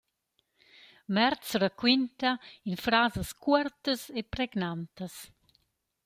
Merz raquinta in frasas cuortas e pregnantas.